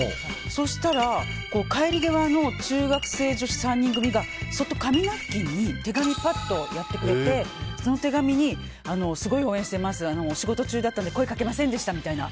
そしたら、帰り際の中学生女子３人組が紙ナプキンに手紙をパってやってくれてその手紙に、すごい応援してますお仕事中なので声かけませんでしたみたいな。